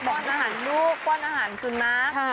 อาหารลูกป้อนอาหารสุนัข